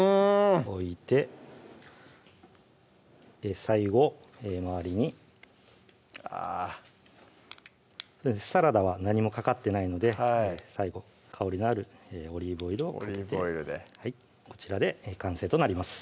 置いて最後周りにあぁサラダは何もかかってないので最後香りのあるオリーブオイルをかけてこちらで完成となります